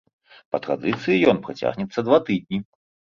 Па традыцыі ён працягнецца два тыдні.